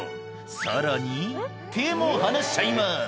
「さらに手も離しちゃいます」